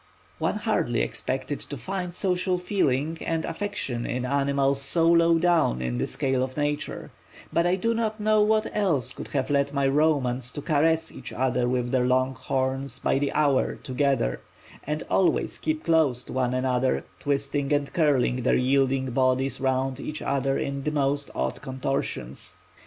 One hardly expected to find social feeling and affection in animals so low down in the scale of nature, but I do not know what else could have led my "Romans" to caress each other with their long horns by the hour together and always keep close to one another, twisting and curling their yielding bodies round each other in the most odd contortions.